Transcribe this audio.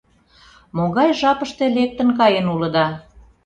— Могай жапыште лектын каен улыда?